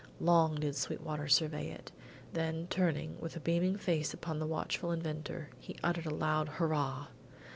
Long did Sweetwater survey it, then turning with beaming face upon the watchful inventor, he uttered a loud Hurrah.